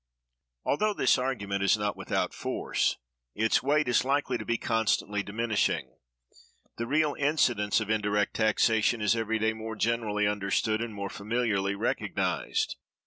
Although this argument is not without force, its weight is likely to be constantly diminishing. The real incidence of indirect taxation is every day more generally understood and more familiarly recognized.